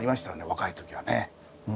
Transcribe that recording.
若い時はね。